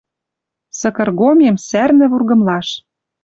Сыкыргомем, сӓрнӹ вургымлаш.